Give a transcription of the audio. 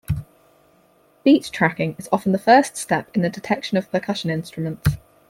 Beat tracking is often the first step in the detection of percussion instruments.